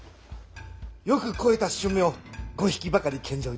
よく肥えた駿馬を５匹ばかり献上いたしまする。